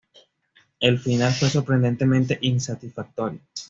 El final fue sorprendentemente insatisfactorio".